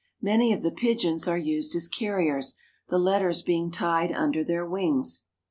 Many of the pigeons are used as carriers, the letters being tied under their wings.